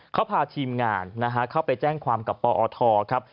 เขาพาทีมงานเข้าไปแจ้งความกับปอทครับ